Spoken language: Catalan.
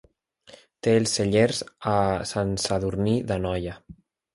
Té els cellers a Sant Sadurní d'Anoia.